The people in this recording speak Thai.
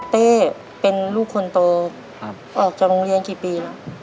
เต้เป็นลูกคนโตออกจากโรงเรียนกี่ปีแล้ว